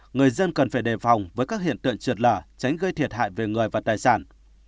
người dân cần phải đề phòng với các hiện tượng trượt lở tránh gây thiệt hại về người và tài sản